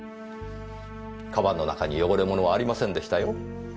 鞄の中に汚れ物はありませんでしたよ。